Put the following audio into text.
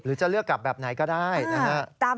จะเลือกกลับแบบไหนก็ได้นะฮะ